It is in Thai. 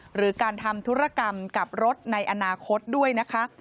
หรือการทำธุรกรรมกับรถในอนาคตด้วยนะคะ